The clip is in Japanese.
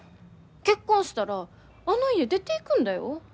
結婚したらあの家出ていくんだよ。